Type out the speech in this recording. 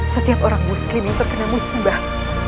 setiap orang muslim yang terkena musibah